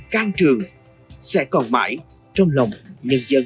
can trường sẽ còn mãi trong lòng nhân dân